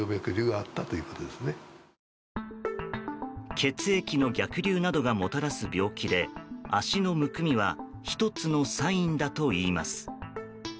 血液の逆流などがもたらす病気で足のむくみは１つのサインだといいます。